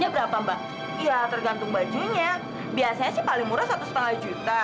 biasanya sih paling murah rp satu lima juta